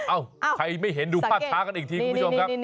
เอ้าใครไม่เห็นดูภาพช้ากันอีกทีคุณผู้ชมครับ